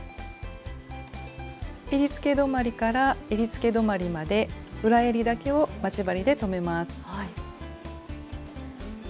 えりつけ止まりからえりつけ止まりまで裏えりだけを待ち針で留めます。